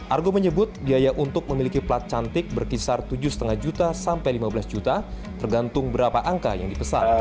argo menyebut biaya untuk memiliki plat cantik berkisar tujuh lima juta sampai lima belas juta tergantung berapa angka yang dipesan